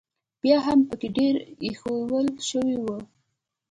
بیا هم پکې ډېرې ایښوول شوې وې.